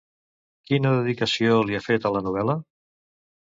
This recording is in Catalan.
Quina dedicació li ha fet a la novel·la?